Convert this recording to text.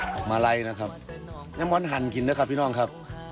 ออกมาลัยนะครับน้ำม้อนหั่นกินนะครับพี่น้องครับ